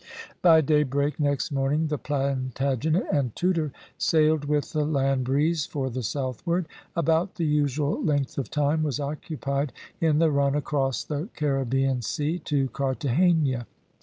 By daybreak next morning the Plantagenet and Tudor sailed with the land breeze for the southward. About the usual length of time was occupied in the run across the Caribbean Sea to Carthagena.